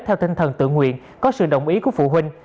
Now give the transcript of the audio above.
theo tinh thần tự nguyện có sự đồng ý của phụ huynh